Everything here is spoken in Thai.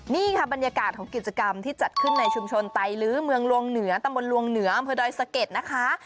นี่ค่ะบรรยากาศของกิจกรรมที่จัดขึ้นในชุมชนไตลื้อเมืองลวงเหนือตำบลลวงเหนืออำเภอดอยสะเก็ดนะคะ